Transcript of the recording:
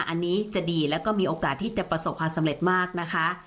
อันนี้จะดีแล้วก็มีโอกาสที่จะประสบความสำเร็จมากนะคะ